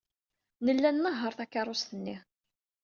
Nella nnehheṛ takeṛṛust-nni.